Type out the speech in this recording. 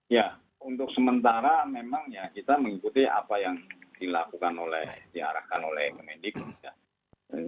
ya untuk sementara memang ya kita mengikuti apa yang dilakukan oleh diarahkan oleh kemendik